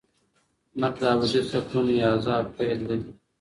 مرګ د ابدي سکون یا عذاب پیل دی.